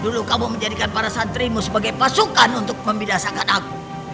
dulu kamu menjadikan para santrimu sebagai pasukan untuk membidasakan aku